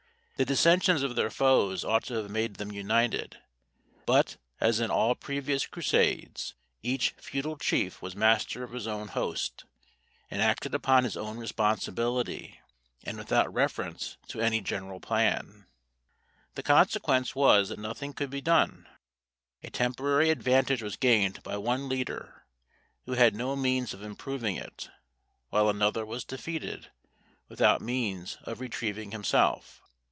The dissensions of their foes ought to have made them united, but as in all previous Crusades, each feudal chief was master of his own host, and acted upon his own responsibility, and without reference to any general plan. The consequence was that nothing could be done. A temporary advantage was gained by one leader, who had no means of improving it; while another was defeated, without means of retrieving himself.